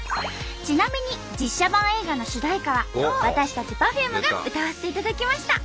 ちなみに実写版映画の主題歌は私たちＰｅｒｆｕｍｅが歌わせていただきました。